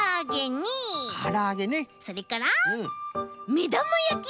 それからめだまやき。